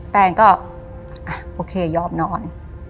แตนก็โอเคยอมนอน